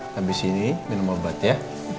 habis ini minum obat ya